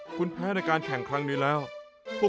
คุณแพ้ในการแข่งครั้งนี้แล้ว